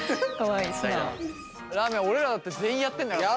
らーめん俺らだって全員やってんだからさ。